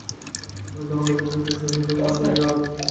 আমি তাহার লক্ষ্য হইতে সরিয়া পড়িলাম বলিয়া আর-এক জন তাহার লক্ষ্য হইয়াছে।